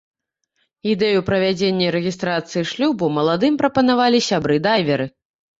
Ідэю правядзення рэгістрацыі шлюбу маладым прапанавалі сябры-дайверы.